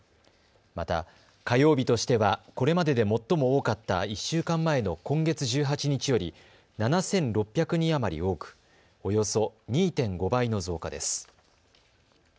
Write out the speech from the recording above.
また、火曜日としてはこれまでで最も多かった１週間前の今月１８日より７６００人余り多く、およそ２．５倍の増加です。